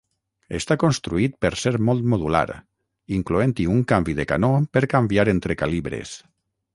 Està construït per ser molt modular, incloent-hi un canvi de canó per canviar entre calibres.